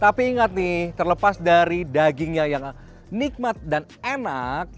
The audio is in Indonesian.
tapi ingat nih terlepas dari dagingnya yang nikmat dan enak